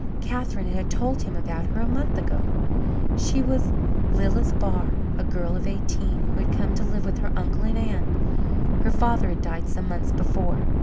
Catherine had told him about her a month ago. She was Lilith Barr, a girl of eighteen, who had come to live with her uncle and aunt. Her father had died some months before.